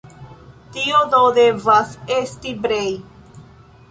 Tio do devas esti Brej.